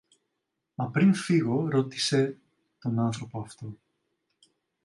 Μα πριν φύγω, ρώτησε τον άνθρωπο αυτό